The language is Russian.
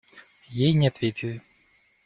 Ей не ответили.